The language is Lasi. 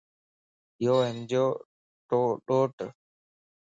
يو ھنجو ڏوٽ